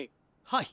はい。